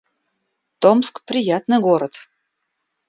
Томск — приятный город